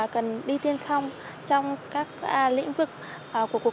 cần đi tiên phong trong các lĩnh vực của cuộc sống của xã hội